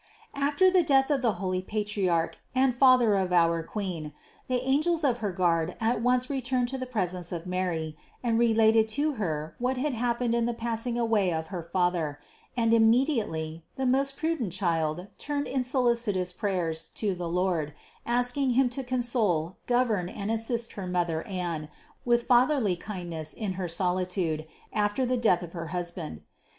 672. After the death of the holy Patriarch and father of our Queen the angels of her guard at once returned to the presence of Mary and related to Her what had hap pened in the passing away of her father : and immediately the most prudent Child turned in solicitous prayers to the Lord, asking Him to console, govern and assist her Mother Anne with fatherly kindness in her solitude after the death of her husband.